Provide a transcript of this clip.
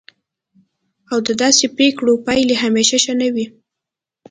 او د داسې پریکړو پایلې همیشه ښې نه وي.